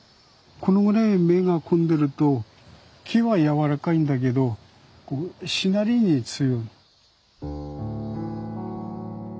このぐらい目がこんでると木は軟らかいんだけどしなりに強い。